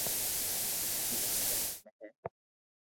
ايلائي ڪسٽ ۾ ھي